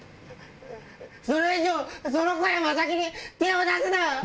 それ以上、その子や征木に手を出すな。